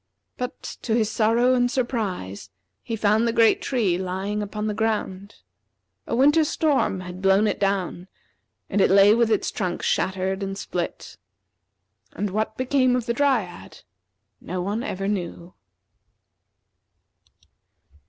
But, to his sorrow and surprise, he found the great tree lying upon the ground. A winter storm had blown it down, and it lay with its trunk shattered and split. And what became of the Dryad, no one ever knew.